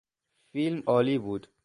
فیلم عالی بود.